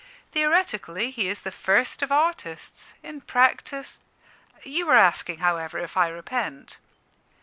Theoretically, he is the first of artists; in practice You were asking, however, if I repent.